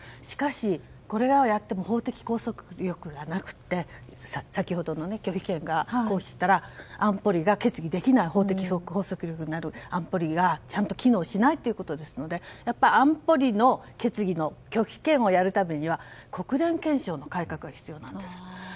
しかし、これをやっても法的拘束力がなくて先ほどの拒否権を行使したら安保理が決議できない法的拘束力になる安保理がちゃんと機能しないということですので安保理の決議の拒否権をやるためには国連憲章の改革が必要なんです。